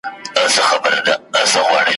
څوک سپین ږیري وه د ښار څوک یې ځوانان ول `